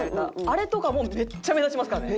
あれとかもめっちゃ目立ちますからね。